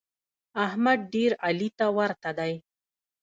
احمد ډېر علي ته ورته دی.